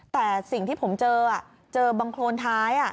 แต่สิ่งที่ผมเจอเจอบังโครนท้าย